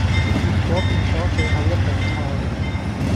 結果變左最後一道菜